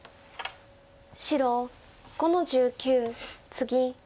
白５の十九ツギ。